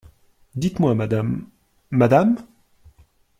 Dites-moi, madame,… madame ?